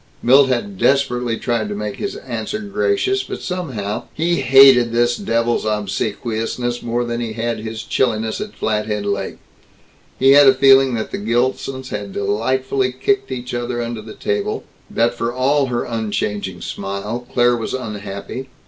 Milt had desperately tried to make his answer gracious but somehow He hated this devil's obsequiousness more than he had his chilliness at Flathead Lake. He had a feeling that the Gilsons had delightedly kicked each other under the table; that, for all her unchanging smile, Claire was unhappy....